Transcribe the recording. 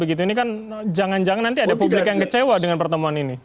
ini kan jangan jangan nanti ada publik yang kecewa dengan pertemuan ini